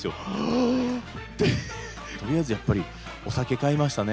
あーって、とりあえずやっぱりお酒買いましたね。